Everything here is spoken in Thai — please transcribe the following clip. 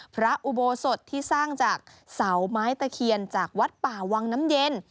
พระอุโบสถที่สร้างจากเสาไม้ตะเคียนจากวัดป่าวังน้ำเย็น